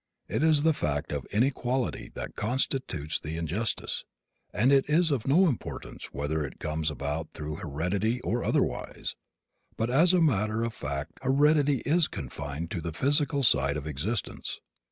It is the fact of inequality that constitutes the injustice, and it is of no importance whether it comes about through heredity or otherwise. But as a matter of fact heredity is confined to the physical side of existence.